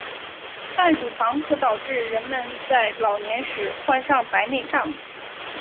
半乳糖可导致人们在老年时患上白内障。